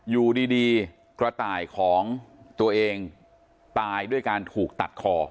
อยู่ดีกระต่ายของตัวเองตายด้วยการถูกตัดคอ